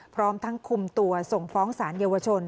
พร้อมทั้งคุมตัวส่งฟ้องสารเยาวชน